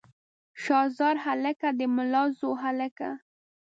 شاه زار هلکه د ملازو هلکه.